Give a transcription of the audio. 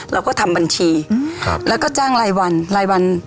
เราก็ทำบัญชีแล้วก็จ้างรายวันรายวัน